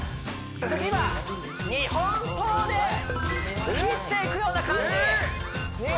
次は日本刀で斬っていくような感じえっ！